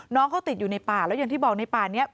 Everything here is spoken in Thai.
น้องเขาติดอยู่ในป่าแล้วอย่างที่บอกในป่านี้